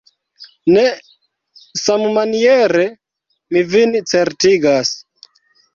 Ne sammaniere, mi vin certigas.